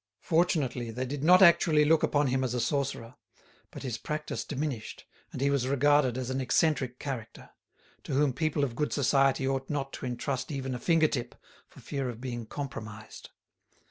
Fortunately, they did not actually look upon him as a sorcerer; but his practice diminished, and he was regarded as an eccentric character, to whom people of good society ought not to entrust even a finger tip, for fear of being compromised.